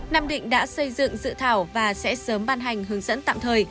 nam định đã xây dựng dự thảo và sẽ sớm ban hành hướng dẫn tạm thời